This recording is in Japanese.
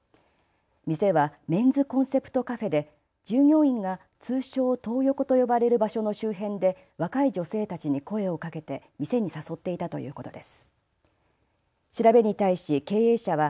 店はメンズコンセプトカフェで従業員が通称、トー横と呼ばれる場所の周辺で若い女性たちに声をかけて店に誘っていたということです。